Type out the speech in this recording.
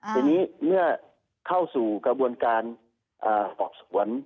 ทีนี้เมื่อเข้าสู่กระบวนการสอบสวน